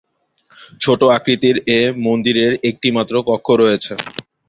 ছোট আকৃতির এ মন্দিরের একটি মাত্র কক্ষ রয়েছে।